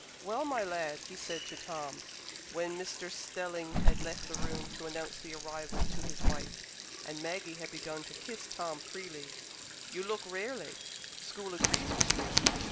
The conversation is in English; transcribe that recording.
"Well, my lad," he said to Tom, when Mr. Stelling had left the room to announce the arrival to his wife, and Maggie had begun to kiss Tom freely, "you look rarely. School agrees with you."